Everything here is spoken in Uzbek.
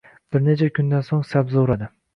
Bir necha kundan so‘ng sabza uradi